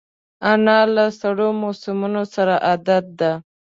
انا له سړو موسمونو سره عادت ده